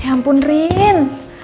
ya ampun rin